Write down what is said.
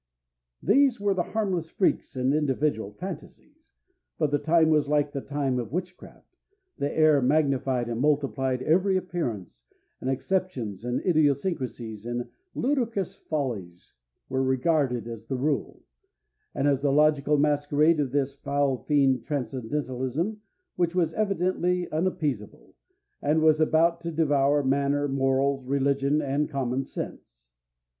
These were the harmless freaks and individual fantasies. But the time was like the time of witchcraft. The air magnified and multiplied every appearance, and exceptions and idiosyncrasies and ludicrous follies were regarded as the rule, and as the logical masquerade of this foul fiend Transcendentalism, which was evidently unappeasable, and was about to devour manner, morals, religion, and common sense.